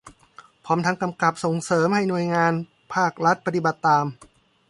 พร้อมทั้งกำกับส่งเสริมให้หน่วยงานภาครัฐปฏิบัติตาม